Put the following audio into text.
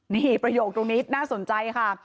นี่ประโยคตรงนี้น่าสนใจค่ะ